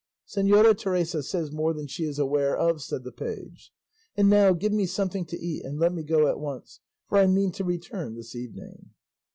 "Señora Teresa says more than she is aware of," said the page; "and now give me something to eat and let me go at once, for I mean to return this evening."